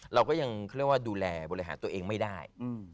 เราก็ยังดูแลบริหารตัวเองไม่ได้